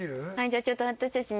ちょっと私たち２次会。